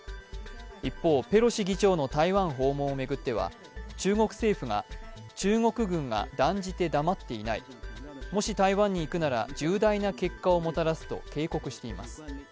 一方、ペロシ議長の台湾訪問を巡っては中国政府が、中国軍が断じて黙っていない、もし台湾に行くなら重大な結果をもたらすと警告しています。